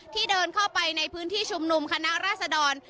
เดินเข้าไปในพื้นที่ชุมนุมคณะราษดร